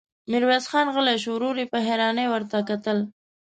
ميرويس خان غلی شو، ورور يې په حيرانۍ ورته کتل.